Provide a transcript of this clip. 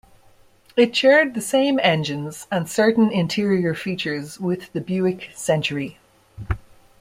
It shared the same engines and certain interior features with the Buick Century.